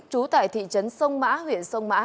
trú tại thị trấn sông mã huyện sông mã